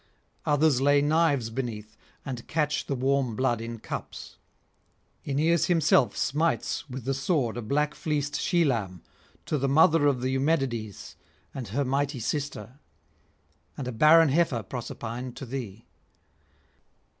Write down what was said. Others lay knives beneath, and catch the warm blood in cups. Aeneas himself smites with the sword a black fleeced she lamb to the mother of the Eumenides and her mighty sister, and a barren heifer, Proserpine, to thee.